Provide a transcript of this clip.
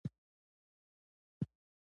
دا خاين زندان ته يوسئ!